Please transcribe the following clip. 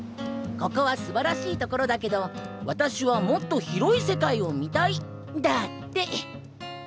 「ここはすばらしいところだけど私はもっと広い世界を見たい」だって。